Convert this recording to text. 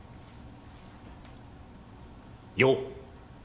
よう。